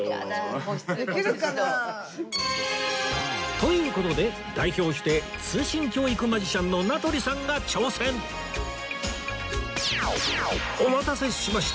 という事で代表して通信教育マジシャンのお待たせしました